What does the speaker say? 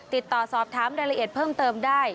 ติดต่อสอบถามรายละเอียดเพิ่มเติมได้